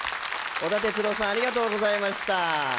織田哲郎さんありがとうございました。